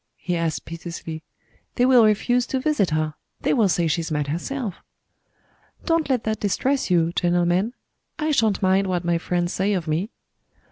he asked piteously. "They will refuse to visit her they will say she's mad herself." "Don't let that distress you, gentlemen I shan't mind what my friends say of me."